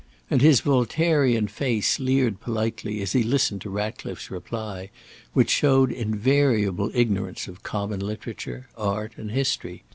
And his Voltairian face leered politely as he listened to Ratcliffe's reply, which showed invariable ignorance of common literature, art, and history.